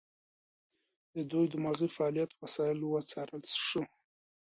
د دوی دماغي فعالیت وسایلو وڅارل شو.